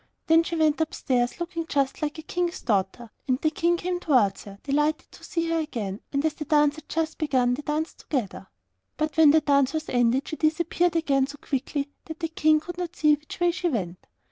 Then she went upstairs looking just like a King's daughter, and the King came towards her, delighted to see her again, and as the dance had just begun, they danced together. But when the dance was ended, she disappeared again so quickly that the King could not see which way she went.